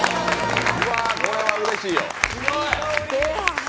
これはうれしいよ。